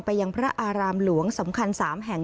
ยังพระอารามหลวงสำคัญ๓แห่ง